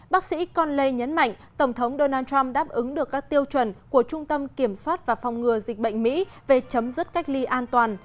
bác sĩ conley nhấn mạnh tổng thống donald trump đáp ứng được các tiêu chuẩn của trung tâm kiểm soát và phòng ngừa dịch bệnh mỹ về chấm dứt cách ly an toàn